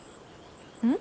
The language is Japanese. うん？